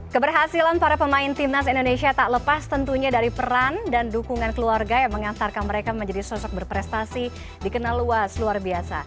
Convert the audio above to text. keberhasilan para pemain timnas indonesia tak lepas tentunya dari peran dan dukungan keluarga yang mengantarkan mereka menjadi sosok berprestasi dikenal luas luar biasa